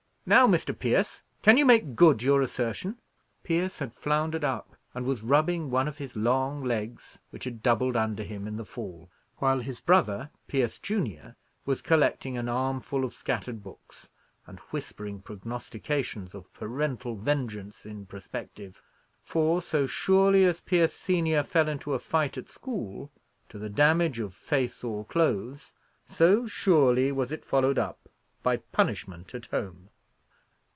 "Now, Mr. Pierce, can you make good your assertion?" Pierce had floundered up, and was rubbing one of his long legs, which had doubled under him in the fall, while his brother, Pierce junior, was collecting an armful of scattered books, and whispering prognostications of parental vengeance in prospective; for, so surely as Pierce senior fell into a fight at school, to the damage of face or clothes, so surely was it followed up by punishment at home.